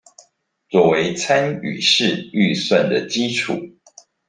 作為參與式預算的基礎